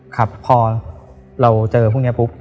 ครับพอเราเจอพวกนี้ปุ๊บ